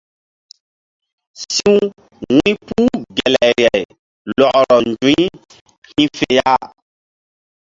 Si̧w wu̧ypuh gelayri lɔkrɔ nzu̧y hi̧ fe ya.